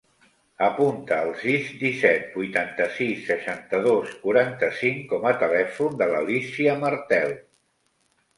Apunta el sis, disset, vuitanta-sis, seixanta-dos, quaranta-cinc com a telèfon de l'Alícia Martel.